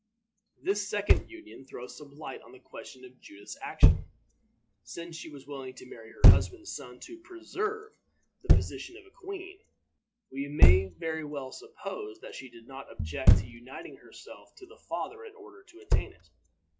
This second union throws some light on the question of Judith's action. Since she was willing to marry her husband's son to preserve the position of a queen, we may well suppose that she did not object to uniting herself to the father in order to attain it.